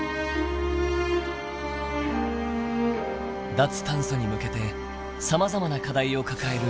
脱炭素に向けてさまざまな課題を抱える日本。